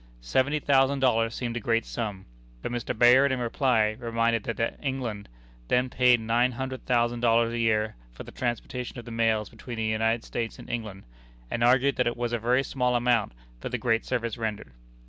Seventy thousand dollars seemed a great sum; but Mr. Bayard in reply reminded them that England then paid nine hundred thousand dollars a year for the transportation of the mails between the United States and England; and argued that it was a very small amount for the great service rendered.